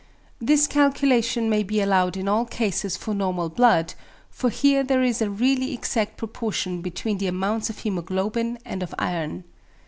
This calculation may be allowed in all cases for normal blood, for here there is a really exact proportion between the amounts of hæmoglobin and of iron.